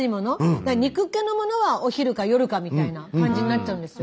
だから肉っけのものはお昼か夜かみたいな感じになっちゃうんですよ。